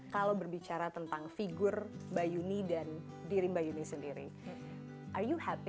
kalau berbicara tentang figur mbak yuni dan diri mbak yuni sendiri are you happy